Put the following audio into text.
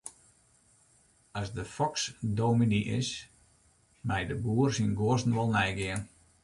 As de foks dominy is, mei de boer syn guozzen wol neigean.